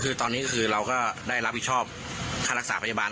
คือตอนนี้ก็คือเราก็ได้รับผิดชอบค่ารักษาพยาบาล